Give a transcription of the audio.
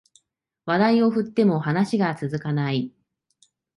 話題を振っても話が続かない